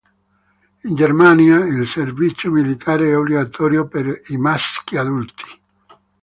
In Germania il servizio militare è obbligatorio per i maschi adulti.